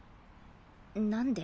何で？